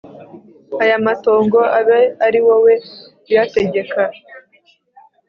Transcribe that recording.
aya matongo abe ari wowe uyategeka!»